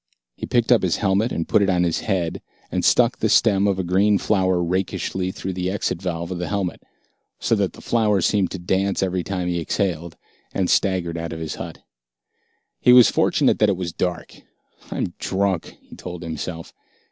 He picked up his helmet and put it on his head, and stuck the stem of a green flower rakishly through the exit valve of the helmet, so that the flower seemed to dance every time he exhaled, and staggered out of his hut. He was fortunate that it was dark. "I'm drunk," he told himself.